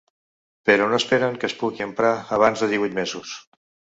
Però no esperen que es pugui emprar abans de divuit mesos.